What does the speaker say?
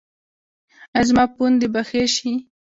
ایا زما پوندې به ښې شي؟